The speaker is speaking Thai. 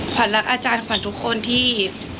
ขวัญรักอาจารย์ขวัญทุกคนที่